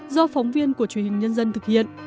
do phóng viên của truyền hình nhân dân thực hiện